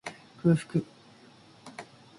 空腹